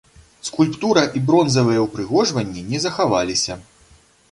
Скульптура і бронзавыя ўпрыгожванні не захаваліся.